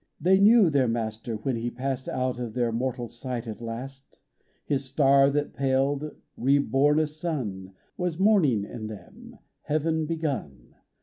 They knew their Master when He passed Out of their mortal sight at last : His star that paled, re born a sun, Was morning in them, heaven begun